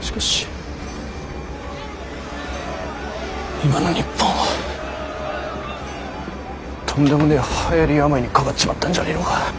しかし今の日本はとんでもねぇはやり病にかかっちまったんじゃねぇのか。